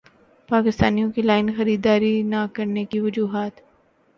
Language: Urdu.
پاکستانیوں کی لائن خریداری نہ کرنے کی وجوہات